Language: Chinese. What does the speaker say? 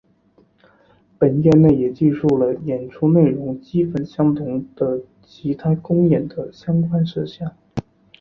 本页内也记述了演出内容基本相同的其他公演的相关事项。